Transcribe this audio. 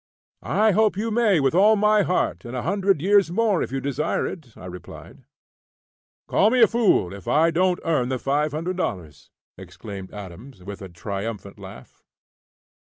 "I hope you may, with all my heart, and a hundred years more if you desire it," I replied. "Call me a fool if I don't earn the $500!" exclaimed Adams, with a triumphant laugh.